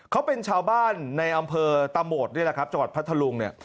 เขาเป็นชาวบ้านในอำเภอตะโหมดนี่แหละครับจังหวัดพัทธลุงเนี่ย